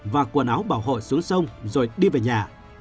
và quần áo bảo hộ xuống sông rồi đi về nhà